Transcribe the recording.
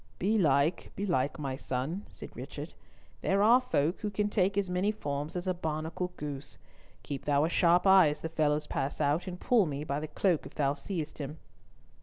"Belike, belike, my son," said Richard. "There are folk who can take as many forms as a barnacle goose. Keep thou a sharp eye as the fellows pass out, and pull me by the cloak if thou seest him."